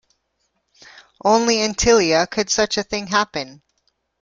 Only in Tilea could such a thing happen!